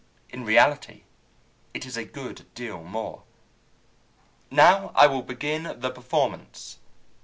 In reality it is a good deal more. "Now I will begin the performance."